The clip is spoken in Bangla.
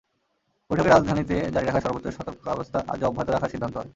বৈঠকে রাজধানীতে জারি রাখা সর্বোচ্চ সতর্কাবস্থা আজও অব্যাহত রাখার সিদ্ধান্ত হয়।